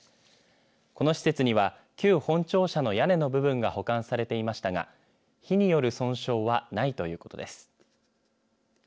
この施設には旧本庁舎の屋根の部分が保管されていましたが火による損傷はないということです。